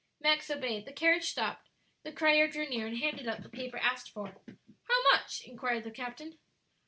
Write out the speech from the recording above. Max obeyed; the carriage stopped, the crier drew near and handed up the paper asked for. "How much?" inquired the captain.